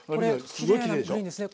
きれいなグリーンですね。